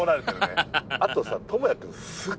あとさ。